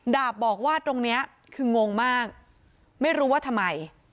ดาบบอกว่าตรงนี้คืองงมากไม่รู้ว่าทำไม